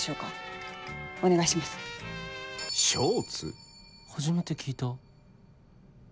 初めて聞いた